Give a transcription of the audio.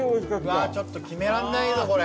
前田：ちょっと決められないぞこれ。